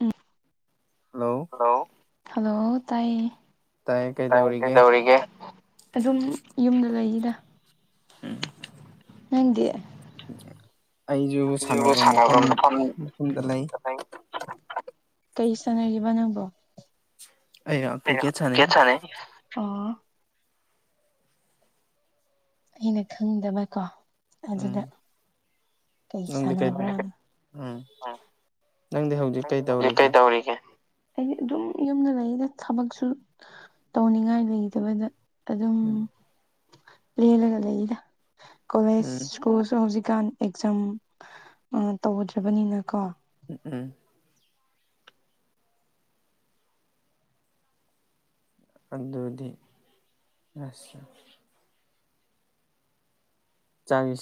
ꯎꯝ hello hello hello ꯇꯥꯏꯌꯦ ꯇꯥꯏꯌꯦ ꯀꯩꯇꯧꯔꯤꯒꯦ ꯑꯗꯨꯝ ꯌꯨꯝꯗ ꯂꯩꯌꯤꯗꯥ ꯅꯪꯗꯤ ꯑꯩꯁꯨ ꯁꯥꯃꯜꯂꯗꯅ ꯐꯝꯃꯤ ꯌꯨꯝꯗ ꯂꯩ [unintelligible] ꯀꯩ ꯁꯥꯟꯅꯔꯤꯕ ꯅꯪꯕꯣ ꯑꯩꯔꯣ ꯀ꯭ꯔꯤꯀꯦꯠ ꯁꯥꯅꯔꯤ ꯑꯣ ꯑꯩꯅ ꯈꯪꯗꯕꯀꯣ ꯑꯗꯨꯗ ꯀꯩꯒꯤ ꯁꯥꯟꯅꯕ꯭ꯔꯥꯅ ꯎꯝ ꯅꯪꯗꯤ ꯍꯧꯖꯤꯛ ꯀꯩ ꯇꯧꯔꯤꯒꯦ ꯑꯩꯗꯤ ꯑꯗꯨꯝ ꯌꯨꯝꯗ ꯂꯩꯌꯤꯗ ꯊꯕꯛꯁꯨ ꯇꯧꯅꯤꯡꯉꯥꯏ ꯂꯩꯇꯕꯗ ꯑꯗꯨꯝ ꯎꯝ ꯂꯦꯜꯂꯒ ꯂꯩꯌꯦꯗ ꯀꯣꯂꯦꯖ ꯁ꯭ꯀꯨꯜꯁꯨ ꯍꯧꯖꯤꯛ ꯀꯥꯟ ꯑꯦꯛꯖꯥꯝ ꯑ ꯇꯧꯗ꯭ꯔꯕꯅꯤꯅ ꯀꯣ ꯎꯝ ꯎꯝ ꯑꯗꯨꯗꯤ ꯉꯥꯁꯤ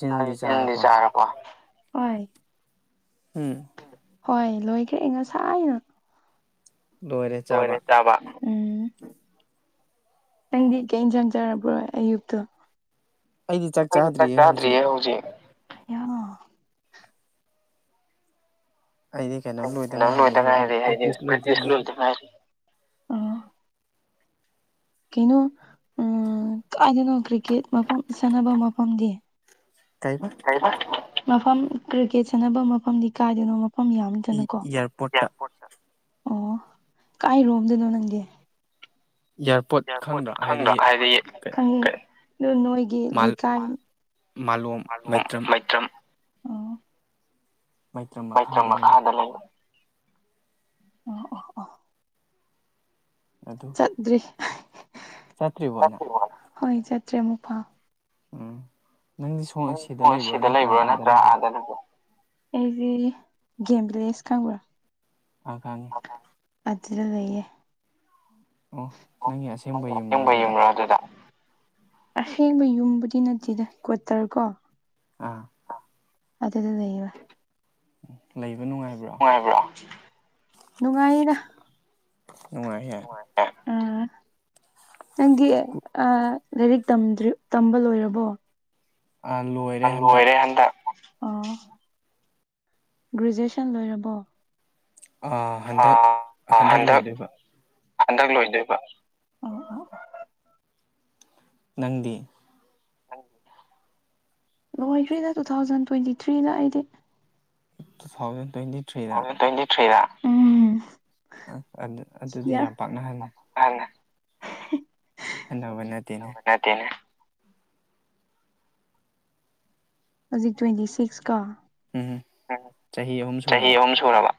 ꯆꯥꯔꯦ ꯏꯆꯟ ꯅꯪꯗꯤ ꯆꯥꯔꯕꯣ ꯑꯣꯏ ꯎꯝ ꯍꯣꯏ ꯂꯣꯏꯒ꯭ꯔꯦ ꯑꯩ ꯉꯁꯥꯏꯅ ꯂꯣꯏꯔꯦ ꯆꯥꯕ ꯎꯝ ꯅꯪꯗꯤ ꯀꯩ ꯏꯟꯁꯥꯡ ꯆꯔꯕ꯭ꯔꯣꯏ ꯑꯌꯨꯛꯇꯣ ꯑꯩꯗꯤ ꯆꯥꯛ ꯆꯥꯗ꯭ꯔꯤꯌꯦ ꯍꯧꯖꯤꯛ ꯑꯌꯥ ꯑꯩꯗꯤ ꯀꯩꯅꯣꯝ ꯂꯣꯏꯗ ꯉꯥꯏꯔꯤ ꯍꯥꯏꯗꯤ ꯄ꯭ꯔꯦꯛꯇꯤꯁ ꯂꯣꯏꯗ ꯉꯥꯏꯔꯤ ꯀꯩꯅꯣ ꯎꯝ ꯀꯥꯏꯗꯅꯣ ꯀ꯭ꯔꯤꯀꯦꯠ ꯃꯐꯝ ꯁꯥꯟꯅꯕ ꯃꯐꯝꯗꯤ ꯀꯩꯕ ꯀꯩꯕ ꯃꯐꯝ ꯀ꯭ꯔꯤꯀꯦꯠ ꯁꯥꯟꯅꯕ ꯃꯐꯝꯗꯤ ꯀꯥꯏꯗꯅꯣ__ ꯃꯐꯝ ꯌꯥꯝꯃꯤꯗꯅꯀꯣ ꯏꯌꯥꯔꯄꯣꯠꯇ ꯑꯣ ꯀꯥꯏꯔꯣꯝꯗꯩꯅꯣ ꯅꯪꯗꯤ ꯏꯌꯥꯔꯄꯣꯔꯠ ꯈꯪꯗ꯭ꯔ ꯍꯥꯏꯗꯤ ꯈꯪꯉꯤ ꯑꯗꯨ ꯅꯣꯏꯒꯤ ꯂꯩꯀꯥꯏ ꯃꯥꯂꯣꯝ ꯃꯩꯇ꯭ꯔꯝ ꯃꯩꯇ꯭ꯔꯝ ꯃꯈꯥꯗ ꯂꯩ ꯑꯣ ꯑꯣ ꯑꯣ ꯆꯠꯗ꯭ꯔꯤ [unintelligible] ꯆꯠꯇ꯭ꯔꯤꯕꯣ ꯍꯣꯏ ꯆꯠꯇ꯭ꯔꯤ ꯑꯃꯨꯛ ꯐꯥꯎ ꯎꯝ ꯎ ꯍ ꯁꯤꯗ ꯂꯩꯕ꯭ꯔꯣ ꯅꯠꯇ꯭ꯔꯥ ꯑꯥꯗ ꯅꯠꯇ꯭ꯔꯣ [unintelligible] ꯑꯩꯁ‌ꯦ ꯒꯦꯝ ꯕꯤꯂꯦꯖ ꯀꯥꯡꯕꯨꯨꯔꯥ ꯑꯥ ꯈꯪꯉ‌ꯦ ꯑꯗꯨꯗ ꯂꯩꯌꯦ ꯑꯣ ꯅꯪꯒꯤ ꯑꯁꯦꯡꯕ ꯌꯨꯝꯔꫭ ꯑꯗꯨꯗ ꯑꯁꯦꯡꯕ ꯌꯨꯝꯕꯨꯗꯤ ꯅꯠꯇꯦꯗ ꯀ꯭ꯋꯥꯇꯔ ꯀꯣ ꯑꯥ ꯑꯗꯨꯗ ꯂꯩꯕ ꯂꯩꯕ ꯅꯨꯡꯉꯥꯏꯕ꯭ꯔꫭ ꯅꯨꯡꯉꯥꯏꯌ‌ꯦ ꯎꯝ ꯅꯪ ꯑꯥ ꯂꯥꯏꯔꯤꯛ ꯇꯝꯗ꯭ꯔꯤ ꯇꯝꯕ ꯂꯣꯏꯔꯕꯣ ꯑꯥ ꯂꯣꯏ ꯂꯣꯏꯔꯦ ꯍꯟꯗꯛ ꯒ꯭ꯔꯦꯖꯨꯑꯦꯁꯟ ꯂꯣꯏꯔꯕꯣ ꯑꯥ ꯍꯟꯗꯛ ꯍꯟꯗꯛ ꯂꯣꯏꯗꯣꯏꯕ ꯍꯟꯗꯛ ꯂꯣꯏꯗꯣꯏꯕ ꯅꯪꯗꯤ ꯂꫭꯏꯈ꯭ꯔ‌ꯦꯗ ꯇꯨ ꯊꯥꯎꯖꯟ ꯇ꯭ꯋꯦꯟꯇꯤ ꯊ꯭ꯔꯤꯗ ꯑꯩꯗꯤ ꯇꯨ ꯊꯥꯎꯖꯟ ꯇ꯭ꯋꯦꯟꯤ ꯇ꯭ꯋꯦꯟꯇꯤ ꯊ꯭ꯔꯤꯗ ꯎꯝ ꯑ ꯑꯗꯨ ꯑꯗꯨꯗꯤ ꯌꯥꯝ ꯄꯥꯛꯅꯍꯜꯂꯦ ꯑ [unintelligible] ꯍꯟꯅꯕ ꯅꯠꯇꯦꯅꯦ ꯅꯠꯇ‌ꯦꯅꯦ ꯍꯧꯖꯤꯛ ꯇ꯭ꯋꯦꯟꯇꯤ ꯁꯤꯛꯁ ꯀꫭ ꯎꯝ ꯎꯝ ꯆꯍꯤ ꯑꯍꯨꯝ ꯁꯨꯔꯕ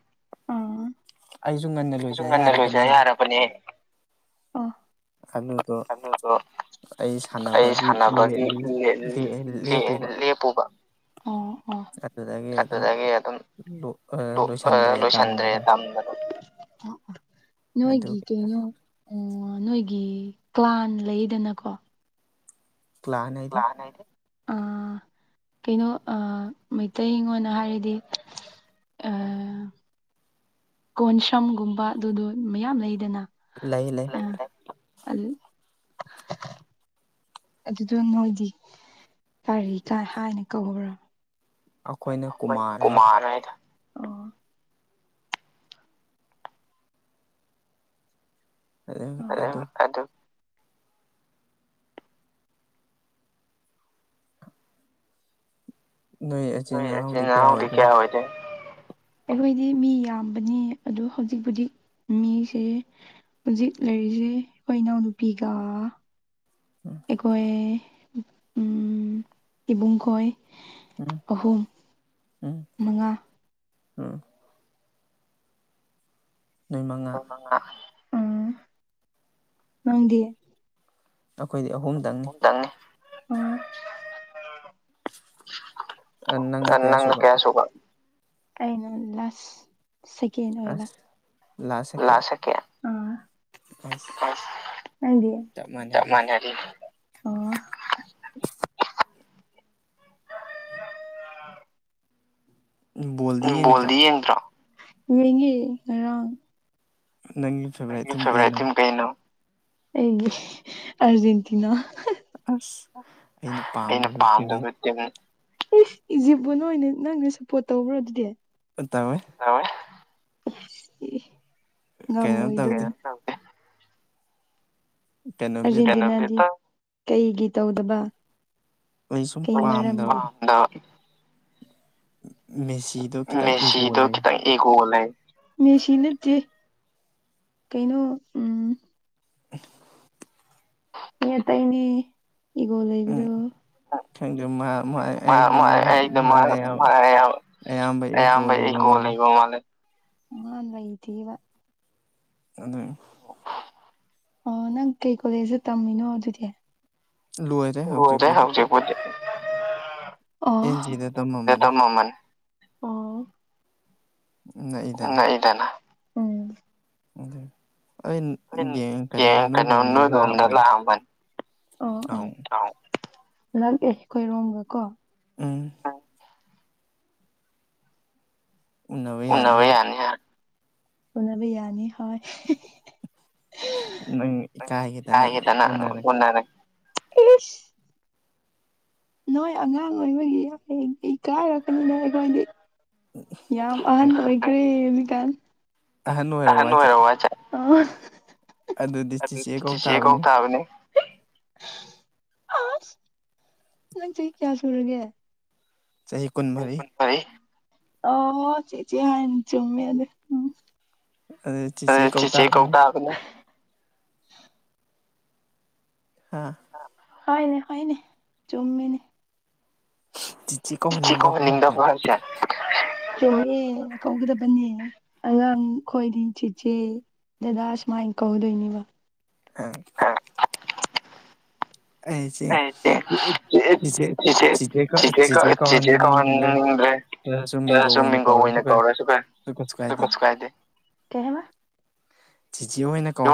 ꯑꯩꯁꯨꯨ ꯉꯟꯅ ꯑꯩꯁꯨ ꯉꯟꯅ ꯂꯣꯏꯖ ꯌꯥꯔꯕꯅꯦ ꯑꯥ ꯑ [unintelligible] ꯑꯗꯨꯗꯣ ꯑꯩ ꯁꯥꯟꯅꯕꯒꯤ ꯂꯦꯞꯄꯨꯕ ꯑꫭ ꯑꫭ ꯑꯗꯨꯗꯒꯤ ꯑꯗꯨꯝ ꯑ ꯂꯣꯏꯁꯤꯟꯗ꯭ꯔꯦ ꯊꯝꯗꯕ ꯅꯣꯏꯒꯤ ꯀꯩꯅꯣ ꯎꯝ ꯅꯣꯏꯒꯤ ꯀ꯭ꯂꯥꯟ ꯂꯩꯗꯅꯀꯣ ꯄ꯭ꯂꯥꯟꯦ [unintelligible] ꯎꯝ ꯀꯩꯅꯣ ꯃꯩꯇꯩꯉꯣꯟꯅ [unintelligible] ꯍꯥꯏꯔꯗꯤ ꯀꯣꯟꯁꯝꯒꯨꯝꯕ ꯑꯗꯨꯗꯣ ꯃꯌꯥꯝ ꯂꯩꯗꯅ ꯂꯩ ꯂꯩ ꯑ [unintelligible] ꯑꯗꯨꯗꯣ ꯅꯣꯏꯗꯤ ꯀꯔꯤ ꯀꯥꯏ ꯍꯥꯏꯅ ꯀꯧꯕ꯭ꯔꯥ ꯑꯩꯈꯣꯏꯅ ꯀꯨꯃꯥꯔ ꯍꯥꯏꯅ [unintelligible] ꯑꯗꯨ ꯅꯣꯏ ꯏꯆꯤꯟ ꯑꯅꯥꯍꯎꯗꯤ ꯀꯌꯥ ꯑꯣꯏꯅꫭ ꯑꯩꯈꯣꯏꯗꯤ ꯃꯤ ꯌꯥꯝꯕꯅꯤ ꯑꯗꯨ ꯍꯧꯖꯤꯛꯄꯨꯗꯤ ꯃꯤꯁꯦ ꯍꯧꯖꯤꯛ ꯂꯩꯔꯤꯁ‌ꯦ ꯑꯩꯈꯣꯏ ꯏꯅꯥꯎꯅꯨꯄꯤꯒ ꯎꯝ ꯀꯣꯏ ꯎꯝ ꯏꯕꯨꯡ ꯈꫭꯏ ꯎꯝ ꯑꯍꯨꯝ ꯃꯉꯥ ꯅꯣꯏ ꯃꯉꯥ ꯉꯥ ꯅꯪꯗꯤ ꯑꯩꯈꯣꯏꯗꯤ ꯑꯍꯨꯝꯗꯪꯅꯤ ꯗꯪꯅꯤ ꯎꯝ [unintelligible] [unintelligible] ꯅꯪꯅ ꯀꯌꯥ ꯁꯨꯕ ꯑꯩꯅ ꯂꯥꯁ ꯁꯦꯀꯦꯟ ꯑꯣꯏꯕ ꯂꯥꯁ ꯁꯦꯀꯦꯟ ꯎꯝ ꯐꯔꯁ__ ꯅꯪꯗꯤ ꯆꯞ ꯃꯥꯟꯅꯔꯤ ꯑꯣ [unintelligible] ꯕꯣꯜꯗꯤ ꯌꯦꯡꯗ꯭ꯔꯣ ꯌꯦꯡꯉꯦ ꯉꯔꯥꯡ ꯅꯪ ꯪꯅꯪꯒꯤ ꯐꯦꯕꯔꯥꯏꯠ ꯇꯤꯝ ꯀꯩꯅꯣ ꯑꯩꯒꯤ [unintelligible] ꯑꯔꯖꯦꯟꯇꯤꯅꯥ ꯑꯁ ꯑꯩꯅ ꯄꯥꯝꯗꯕ ꯇꯤꯝꯅꯤ [unintelligible] ꯏꯁ ꯏꯖꯤꯞꯄꯨ ꯅꯣꯏꯅ ꯅꯪꯅ ꯁꯞꯄꯣꯔꯠ ꯇꯧꯕ꯭ꯔꯣ ꯑꯗꯨꯗꯤ ꯎꯝ ꯇꯧꯋꯦ ꯇꯧꯋꯦ [unintelligible] ꯑꯦ ꯀꯩꯅꯣꯝ ꯇꯧꯗꯦ [unintelligible] ꯑꯔꯖꯦꯟꯇꯤꯅꯥꯗꯤ ꯀꯩꯒꯤ ꯇꯧꯗꯕ ꯀꯩꯃꯔꯝꯒꯤ [unintelligible] ꯃꯦꯁꯤꯗꯣ ꯈꯤꯇꯪ ꯏꯒꯣ ꯂꯩꯏ ꯏꯒꯣ ꯂꯩ ꯃꯦꯁꯤ ꯅꯠꯇꯦ ꯀꯩꯅꯣ ꯎꯝ [unintelligible] ꯃꯤ ꯑꯇꯩꯅꯦ ꯏꯒꯣ ꯂꯩꯕꯗꯣ [unintelligible] [unintelligible] ꯃꯥ ꯃꯥ ꯑꯩꯅ ꯃꯥ ꯑꯌꯥꯝꯕ [unintelligible] ꯑꯌꯥꯝꯕ ꯏꯒꯣ ꯂꯩꯕ ꯃꯥꯜꯂꯦ ꯃꯥꯅ ꯂꯩꯇꯦꯕ ꯑꯗꯨꯏ ꯑꯣ ꯑꯣ ꯅꯪ ꯀꯩ ꯀꯣꯂꯦꯖꯇ ꯇꯝꯃꯤꯅꯣ ꯑꯗꯨꯗꯤ ꯑꯣꯔꯦꯟꯇꯦꯜ ꯍꯧꯖꯤꯛꯄꯨꯗꯤ ꯑꯦꯟꯖꯤꯗ ꯇꯝꯃꯝꯕꯅꯦ ꯅꯛꯏꯗꯅ ꯑꯗꯨꯏ ꯑꯟ__ [unintelligible] ꯅꯣꯏꯔꯣꯝꯗ ꯂꯥꯛꯑꯝꯕꯅꯤ ꯑꯣ ꯎꯝ [unintelligible] ꯅꯛꯑꯦ ꯑꯩꯈꯣꯏꯔꯣꯝꯒ ꯀꯣ ꯎꯝ ꯎꯅꯕ ꯌꯥꯅꯤꯅ ꯎꯅꯕ ꯌꯥꯅꯤ ꯍꯣꯏ [unintelligible] [unintelligible] ꯎꯅꯔꯛ ꯏꯁ ꯅꯣꯏ ꯑꯉꯥꯡ ꯑꯣꯏꯕꯒꯤ ꯑꯈꯣꯏ ꯏꯀꯥꯏꯔꯛꯀꯅꯤꯗ ꯑꯩꯈꯣꯏꯗꯤ ꯎꯝ ꯎꯝ ꯌꯥꯝ ꯑꯍꯟꯕ ꯑꯣꯏꯈ꯭ꯔꯦ ꯍꯧꯖꯤꯛꯀꯥꯟ ꯑꯍꯟ ꯑꯣꯏꯔꯕꯣ ꯍꯥꯏꯁꯦ ꯑ ꯑꯗꯨꯗꯤ ꯆꯤꯆꯦ ꯀꯧ ꯇꯥꯕꯅꯤ [unintelligible] ꯑꯥꯁ ꯅꯪ ꯆꯍꯤ ꯀꯌꯥ ꯁꯨꯔꯒꯦ ꯆꯍꯤ ꯀꯨꯟꯃꯔꯤ ꯑꯣ ꯆꯦꯆꯦ ꯍꯥꯏꯌꯣꯅꯦ ꯆꯨꯝꯃꯦ ꯑꯗꯨ ꯎꯝ ꯑꯗꯨꯅꯤ ꯆꯦꯆꯦ ꯀꯧ ꯇꯥꯕꯅꯤ ꯍꯥꯥ ꯍꯣꯏꯅꯦ ꯍꯣꯏꯅꯦ ꯆꯨꯝꯃꯦꯅꯦ ꯆꯦꯆꯦ ꯀꯧꯍꯟꯅꯤꯡꯗꯕ꯭ꯔꯣ ꯍꯥꯏꯁꯦ ꯆꯨꯝꯃꯦ ꯀꯧꯒꯗꯕꯅꯦ ꯑꯉꯥꯡ ꯈꯣꯏꯗꯤ ꯆꯤꯆꯦ ꯗꯗꯥ ꯁꯨꯃꯥꯏꯅ ꯀꯧꯒꯗꯣꯏꯅꯤꯕ ꯑꯝ [unintelligible] ꯑꯩ ꯆꯦ ꯆꯤꯖꯦ ꯀ ꯆꯤꯖꯦ ꯀꯦ [unintelligible] ꯀ ꯁꯨꯝ [unintelligible] ꯃꯤꯡꯒꯧ ꯑꯣꯏꯅ ꯀꯧꯔꯁꯨ ꯀꯥꯏ ꯀꯩꯁꯨ ꯀꯥꯏꯗꯦ ꯀꯩ ꯍꯥꯏꯕ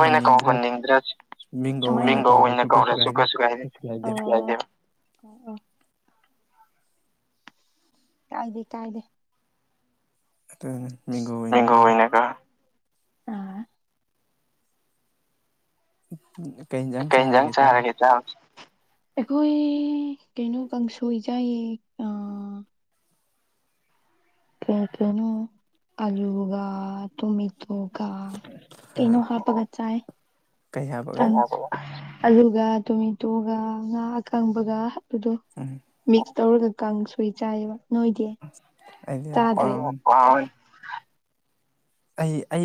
ꯣꯏꯅ [unintelligible] ꯀꯧꯍꯟꯅꯤꯡꯗ꯭ꯔꯁꯨ ꯁꯅꯤꯡꯡ ꯀꯧ ꯑꯣꯏꯅ ꯀꯧꯔꯁꯨ ꯀꯩꯁꯨ ꯀꯥꯏ ꯑ ꯑ [unintelligible] [inaudible] ꯀꯥꯏꯗꯦ ꯀꯥꯏꯗꯦ ꯑꯗꯨꯅ‌ꯦ ꯃꯤꯡꯒꯧ ꯑꫭꯏꯅꯀꯣ ꯎ ꯎꯝ [unintelligible] [inaudible] ꯀꯩ ꯌꯦꯟꯖꯥꯡ ꯆꯥꯔꯒꯦ ꯆꯥꯛ ꯑꯩꯈꯣꯏ ꯀꯩꯅꯣ ꯀꯥꯡꯁꯣꯏ ꯆꯥꯏꯌꯦ ꯑꯥ ꯀꯩ ꯀꯩꯅꫭ ꯑꯂꯨꯒ ꯊꯨꯃꯤ ꯑꯗꯨꯒ ꯀꯩꯅꯣ ꯍꯥꯞꯄꯒ ꯆꯥꯏ ꯑꯗꯨꯒ ꯇꯣꯃꯦꯇꯣꯒ ꯉꯥ ꯑꯀꯪꯕꯒ ꯍꯞꯄꯗꫭ ꯎꯝ ꯃꯤꯛꯁ ꯇꯧꯔꯒ ꯀꯥꯡꯁꯣꯏ ꯆꯥꯏꯌꯦꯕ ꯅꯣꯏꯗꯤ ꯆꯥꯗ꯭ꯔꯦ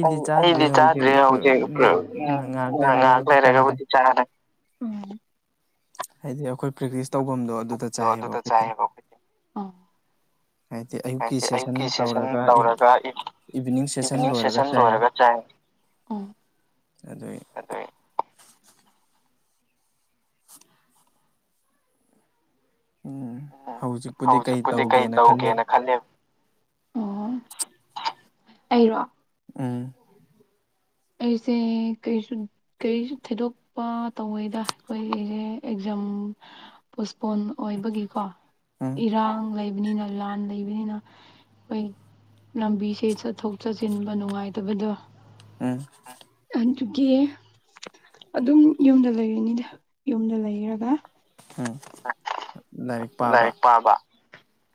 ꯑꯩ ꯑꯩꯗꯤ ꯆꯥꯗ꯭ꯔꯦ ꯍꯧꯖꯤꯛ ꯎꯝ ꯉꯥꯏꯍꯥꯛ ꯂꯩꯔꯒꯕꯨꯗꯤ ꯆꯥꯔꯅꯤ ꯎꯝ ꯍꯥꯏꯗꯤ ꯑꯩꯈꯣꯏ ꯄ꯭ꯔꯦꯛꯇꯤꯁ ꯇꯧꯐꯝꯗꯣ ꯑꯗꯨꯗ ꯆꯥꯏꯌꯦꯕ ꯑꯩꯈꯣꯏꯗꯤ ꯍꯥꯏꯗꯤ ꯑꯌꯨꯛꯀꯤ ꯁꯦꯁꯟ ꯇꯧꯔꯒ ꯏꯚꯤꯅꯤꯡ ꯁꯦꯁꯟ ꯂꯣꯏꯔꯒ ꯆꯥꯏ ꯎꯝ ꯑꯗꯩ ꯎꯝ ꯍꯧꯖꯤꯛꯄꯨꯗꯤ ꯀꯩ ꯇꯧꯒꯦꯅ ꯈꯜꯂꯦꯕ ꯑꯣ ꯑꯩꯔꯣ ꯎꯝ ꯑꯩꯁꯦ ꯀꯩꯁꯨ ꯀꯔꯤꯁꯨ ꯊꯩꯗꯣꯛꯄ ꯇꯧꯋꯏꯗ ꯑꯩꯈꯣꯏꯒꯤꯁꯦ ꯑꯦꯛꯖꯥꯝ ꯄꯣꯁꯄꯣꯟ ꯑꯣꯏꯕꯒꯤꯀꯣ ꯏꯔꯥꯡ ꯂꯩꯕꯅꯤꯅ ꯂꯥꯟ ꯂꯩꯕꯅꯤꯅ ꯑꯩꯈꫭꯏ ꯂꯝꯕꯤꯁꯦ ꯆꯠꯊꯣꯛ ꯆꯠꯁꯤꯟꯕ ꯅꯨꯡꯉꯥꯏꯇꯕꯗꯣ ꯎꯝ ꯑꯗꯨꯒꯤ ꯑꯗꯨꯝ ꯌꯨꯝꯗ ꯂꯩꯔꯅꯤꯗ ꯌꯨꯝꯗ ꯂꯩ ꯂꯩꯔꯒ ꯂꯥꯏꯔꯤꯛ ꯄꯥꯕ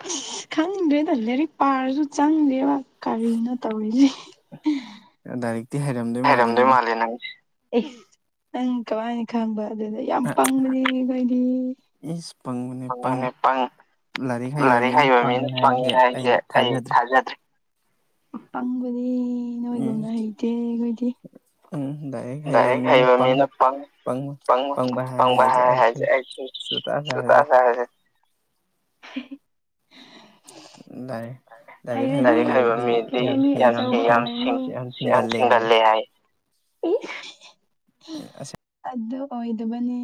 ꯑꯁ ꯈꯪꯗ꯭ꯔꯦꯗ ꯂꯥꯏꯔꯤꯛ ꯄꯥꯔꯁꯨ ꯆꯪꯗꯦꯕ ꯀꯔꯤꯅ ꯇꯧꯔꯤꯁꯦ ꯗꯥꯔ [unintelligible] [inaudible] ꯍꯥꯏꯔꯝꯗꯣꯏ ꯃꯥꯜꯂꯦ ꯅꯪ ꯅꯪ ꯀꯃꯥꯏꯅꯤ ꯈꯪꯕ ꯑꯗꯨꯗꯩ ꯌꯥꯝ ꯄꯪꯕꯅꯦ ꯑꯩꯈꯣꯏꯗꯤ ꯏꯁ ꯄꯪ ꯃꯅꯦ ꯄꯪ ꯂꯥꯏꯔꯤꯛ ꯍꯩꯕ ꯃꯤꯅ ꯄꯪꯉꯦ ꯍꯥꯏꯁꯦ ꯑꯩ ꯊꯥꯖꯗ꯭ꯔꯤ ꯑꯄꯪꯕꯅ‌ꯦ ꯅꯣꯏꯒꯨꯝꯅ ꯍꯩꯇꯦ ꯑꯩꯈꯣꯏꯗꯤ ꯎꯝ ꯂꯥꯏꯔꯤꯛ ꯍꯩꯕ ꯃꯤꯅ ꯄꯪ ꯪ ꯄꯪ ꯍꯥꯏ ꯁ [unintelligible] [inaudible] [unintelligible] [inaudible] [unintelligible] [inaudible] ꯂꯥꯏꯔꯤꯛ ꯍꯩꯕ ꯃꯤꯗꯤ ꯌꯥꯝ ꯌꯥꯝ ꯌꯥꯝ ꯁꯤꯡꯒꯜꯂꯦ ꯍꯥꯏ ꯏꯁ ꯑꯗꯨ ꯑꯣꯏꯗꯕꯅ‌ꯦ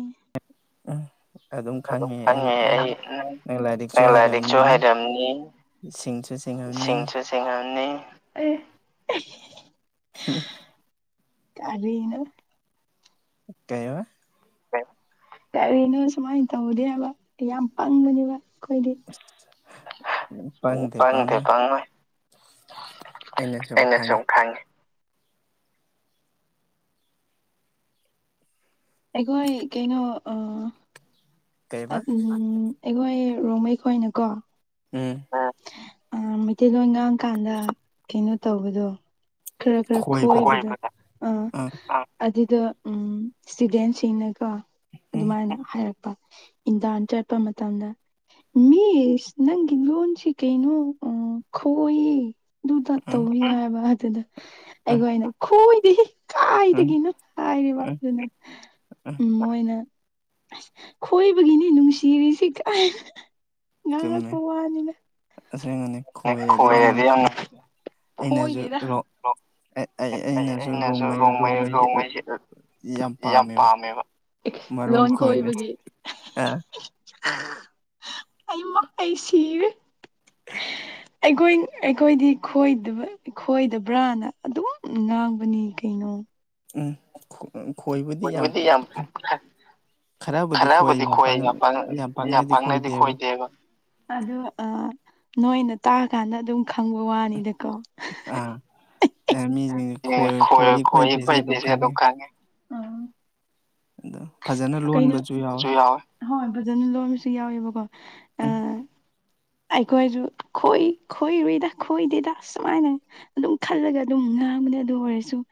ꯎꯝ ꯑꯗꯨꯝ ꯈꯪꯉꯤ ꯑꯩꯪ ꯅꯪ ꯂꯥꯏꯔꯤꯛꯁꯨ ꯍꯩꯔꯝꯅꯤ ꯁꯤꯡꯁꯨ ꯁꯤꯡꯉꯝꯅꯤ ꯁꯤꯡꯉꯝꯅꯤ ꯑꯩ ꯍꯝ [unintelligible] [inaudible] ꯀꯔꯤꯅꯣ ꯀꯩꯕ ꯀꯔꯤꯅꯣ ꯁꯨꯃꯥꯏꯅ ꯇꯧꯗꯕꯗꯤ‌ ꯍꯥꯏꯕ ꯌꯥꯝ ꯄꯪꯕꯅꯦꯕ ꯈꯣꯢꯗꯤ ꯄꯪꯗꯦ ꯄꯪꯉꯣꯏ ꯑꯩꯅ ꯁꯨꯝ ꯈꯪꯉꯤ ꯑꯩꯈꯣꯏ ꯀꯩꯅꯣ ꯑꯥ ꯎꯝ ꯑꯩꯈꯣꯏ ꯔꯣꯡꯃꯩꯈꯣꯏꯅꯀꯣ ꯎꯝ ꯑꯥ ꯃꯩꯇꯩꯂꯣꯟ ꯉꯥꯡ ꯀꯥꯟꯗ ꯀꯩꯅꯣ ꯇꯧꯕꯗꯣ ꯈꯔ ꯈꯔ ꯈꯣꯏꯕꯗꯣ ꯑꯗꯨꯗ ꯎꯝ ꯏꯁꯇꯨꯗꯦꯟꯁꯤꯡꯅꯀꯣ ꯑꯗꯨꯃꯥꯏꯅ ꯍꯥꯏꯔꯛ ꯏꯟꯗꯥꯟ ꯆꯠꯄ ꯃꯇꯝꯗ ꯃꯤꯁ ꯅꯪ ꯂꯣꯟꯁꯤ ꯀꯩꯅꯣ ꯑꯥ ꯈꯣꯏꯌꯦ ꯗꯨ ꯗꯥꯠ ꯇꯧꯏ ꯍꯥꯏꯕ ꯑꯗꯨꯗ ꯑꯩꯈꯣꯏꯅ ꯈꯣꯏꯗꯦꯍꯦ ꯀꯥꯏꯗꯒꯤꯅꯣ ꯍꯥꯏꯔꯦꯕ ꯑꯗꯨꯅ ꯎꯝ ꯃꯣꯏꯅ ꯑꯁ ꯈꯣꯏꯕꯒꯤꯅꯦ ꯅꯨꯡꯁꯤꯔꯤꯁꯤ ꯀꯥꯏꯅ ꯉꯥꯡꯉꯛ ꯑꯁꯦꯡꯕꯅꯤ ꯈꯣꯏꯔꯗꯤ ꯌꯥꯝ ꯅꯨꯡꯁꯤ ꯑꯩꯅꯁꯨ ꯔꯣꯡ ꯑꯩꯅꯁꯨ‌ ꯔꯣꯡꯃꯩ ꯔꯣꯡꯃꯩꯁꯤ ꯌꯥꯝ ꯄꯥꯝꯃꯦꯕ ꯃꯔꯣꯟ ꯈꯣꯏꯕꯁꯦ ꯑꯥ ꯑꯩꯃ ꯑꯩ ꯁꯤꯔꯦ ꯑꯩꯈꯣꯏ ꯑꯩꯈꯣꯏꯗꯤ ꯈꯣꯏꯗꯕ ꯈꯣꯏꯗꯕ꯭ꯔꯥꯅ ꯑꯗꯨꯝ ꯉꯥꯡꯕꯅꯤ ꯀꯩꯅꯣ ꯎꯝ ꯈꯣꯏꯕꯨꯗꯤ ꯌꯥꯝ ꯈꯔꯕꯨꯗꯤ ꯈꯣꯏ ꯌꯥꯝ ꯄꯥꯛꯅ ꯌꯥꯝ ꯄꯥꯡꯅꯗꯤ ꯈꯣꯏꯗꯦꯕ ꯑꯗꯨ ꯑꯥ‌ ꯅꯣꯏꯅ ꯇꯥꯔꯥꯀꯥꯟꯗ ꯑꯗꯨꯝ ꯈꯪꯕꯩ ꯋꯥꯅꯤꯗꯀꯣ [unintelligible] ꯈꯣꯏꯌꯦ ꯈꯣꯏꯗꯦꯁꯦ ꯑꯗꯨꯝ ꯈꯪꯉꯦ ꯀꯩꯅꯣ ꯍꯣꯏ ꯐꯖꯅ ꯂꯣꯟꯕꯁꯨ ꯌꯥꯎꯋꯦꯕꯀꯣ ꯎꯝ ꯑꯩꯈꯣꯏꯁꯨ ꯈꯣꯏ ꯈꯣꯏꯔꯣꯏꯗ ꯈꯣꯏꯗꯦꯗ ꯁꯨꯃꯥꯏꯅ ꯑꯗꯨꯝ ꯈꯜꯂꯒ ꯑꯗꯨꯝ ꯉꯥꯡꯕꯅꯦ ꯑꯗꯨ ꯑꯣꯏꯔꯁꯨ ꯁꯨ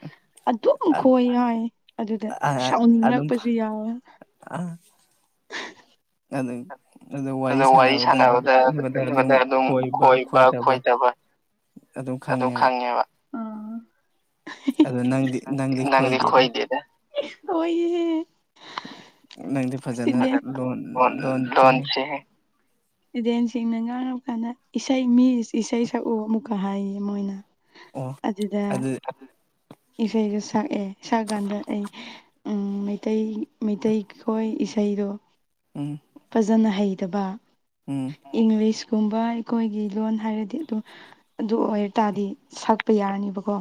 ꯑꯗꯨꯝ ꯈꯣꯏ ꯍꯥꯏ ꯑꯗꯨꯗ ꯁꯥꯎꯅꯤꯡꯉꯛꯄꯁꯨ ꯌꯥꯎꯋꯦ ꯑꯥ [unintelligible] ꯑꯗꯨ ꯑꯗꯨ ꯋꯥꯔꯤ ꯁꯥꯟꯅꯕꯗꯗ ꯑꯗꯨꯝ ꯈꯣꯏꯕ ꯈꯣꯏꯗꯕ ꯑꯗꯨꯝ ꯈꯪꯉꯦꯕ ꯅꯪꯗꯤ ꯈꯣꯏꯗꯦꯗ ꯈꯣꯏꯌꯦ [unintelligible] ꯂꯣꯟꯁꯦ ꯏꯁꯇꯨꯗꯦꯟꯠꯁꯤꯡꯅ ꯉꯥꯡꯉꯛꯄꯀꯥꯟꯗ ꯏꯁꯩ ꯃꯤꯁ ꯏꯁꯩ ꯁꯛꯎ ꯑꯃꯨꯛꯀ ꯍꯥꯏꯌꯦ ꯃꯣꯏꯅ ꯑꯗꯨꯗ ꯏꯁꯩꯁꯨ ꯁꯛꯑꯦ ꯁꯛꯑꯥꯀꯥꯟꯗ ꯑꯩ ꯎꯝ ꯃꯩꯇꯩ ꯃꯩꯇꯩꯈꯣꯏ ꯏꯁꯩꯗꯣ ꯎꯝ ꯐꯖꯅ ꯍꯩꯇꯕ ꯎꯝ ꯏꯪꯂꯤꯁꯀꯨꯝꯕ ꯑꯩꯈꯣꯏꯒꯤ ꯂꯣꯟ ꯍꯥꯏꯔꯗꯤ ꯑꯗꯨꯝ ꯑꯗꯨ ꯑꯣꯏ ꯑꯥꯗꯤ ꯁꯛꯄ ꯌꯥꯔꯅꯤꯕꯀꯣ